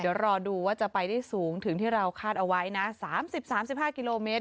อยุ่รอดูว่าจะไปสูงที่เราคาดเอาไว้นะ๓๐๓๕กิโลเมตร